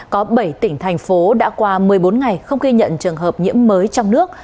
có bảy tỉnh thành phố đã qua một mươi bốn ngày không ghi nhận trường hợp nhiễm mới trong nước